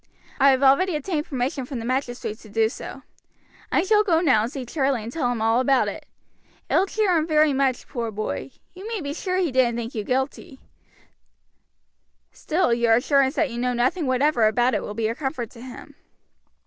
I have already obtained permission from the magistrates to do so. I shall go now and see Charlie and tell him all about it. It will cheer him very much, poor boy. You may be sure he didn't think you guilty; still, your assurance that you know nothing whatever about it will be a comfort to him."